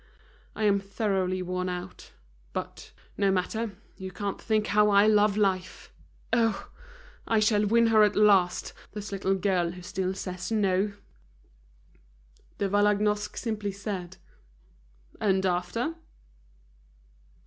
I am thoroughly worn out; but, no matter, you can't think how I love life! Oh! I shall win her at last, this little girl who still says no!" De Vallagnosc simply said: "And after?"